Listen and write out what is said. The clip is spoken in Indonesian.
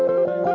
lalu dia nyaman